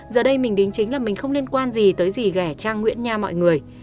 giờ đây mình đính chính là mình không liên quan gì tới dì ghẻ trang nguyễn nha mọi người